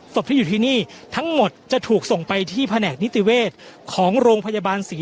ที่อยู่ที่นี่ทั้งหมดจะถูกส่งไปที่แผนกนิติเวศของโรงพยาบาลศรี